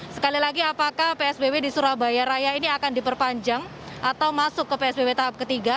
sekali lagi apakah psbb di surabaya raya ini akan diperpanjang atau masuk ke psbb tahap ketiga